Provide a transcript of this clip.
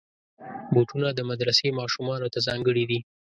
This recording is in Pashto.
بوټونه د مدرسې ماشومانو ته ځانګړي دي.